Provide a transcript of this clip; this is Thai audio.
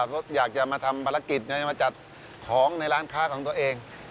เขาอยากจะมาทำภารกิจมาจัดของในร้านค้าของตัวเอง